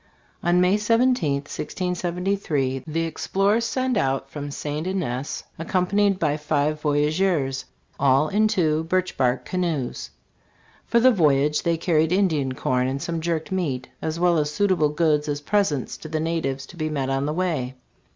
LAC . On May 17, 1673, the explorers set out from St. Ignace. accompanied by five voyageurs, all in two birch bark canoes. For the voyage they carried Indian corn and some jerked meat, as well as suitable goods as presents to the natives to be met on the way.